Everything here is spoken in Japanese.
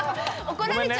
怒られちゃう。